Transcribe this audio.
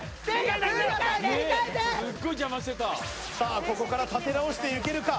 ここから立て直していけるか。